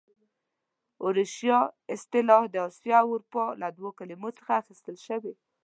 اوریشیا اصطلاح د اسیا او اروپا له دوو کلمو څخه اخیستل شوې.